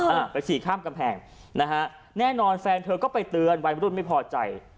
อ่าไปฉี่ข้ามกำแพงนะฮะแน่นอนแฟนเธอก็ไปเตือนวัยมรุ่นไม่พอใจ